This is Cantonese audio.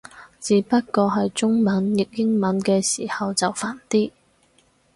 只不過係中文譯英文嘅時候就煩啲